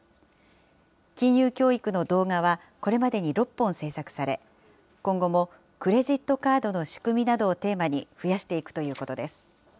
金融教育の動画はこれまでに６本制作され、今後もクレジットカードの仕組みなどをテーマに、増やしていくということです。